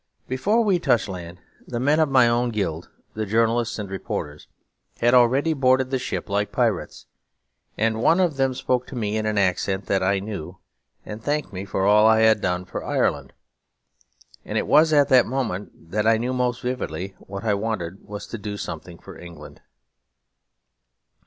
Before we touched land the men of my own guild, the journalists and reporters, had already boarded the ship like pirates. And one of them spoke to me in an accent that I knew; and thanked me for all I had done for Ireland. And it was at that moment that I knew most vividly that what I wanted was to do something for England.